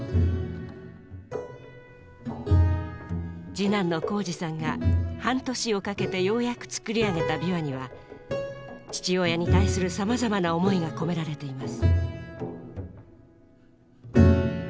次男の宏司さんが半年をかけてようやく作り上げた琵琶には父親に対するさまざまな思いが込められています。